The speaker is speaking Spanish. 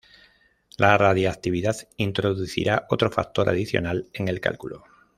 La radiactividad introducirá otro factor adicional en el cálculo.